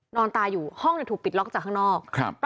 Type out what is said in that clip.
นอนตายอยู่ห้องเนี้ยถูกปิดล็อกจากข้างนอกครับ